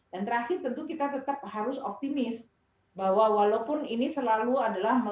dan terakhir tentu kita tetap harus optimis bahwa walaupun ini selalu adalah